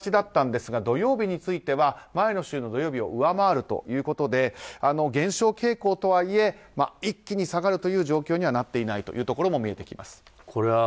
ずっと減少傾向だったんですが土曜日は前の週の土曜日を上回るということで減少傾向とはいえ一気に下がるという状況にはなっていないというところも見えています。